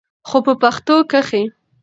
خو په پښتو کښې